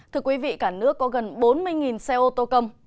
thưa quý vị cả nước có gần bốn mươi xe ô tô cầm